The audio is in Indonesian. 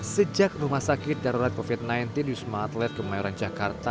sejak rumah sakit darurat covid sembilan belas di wisma atlet kemayoran jakarta